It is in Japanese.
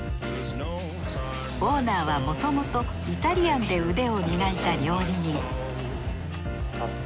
オーナーはももともとイタリアンで腕を磨いた料理人。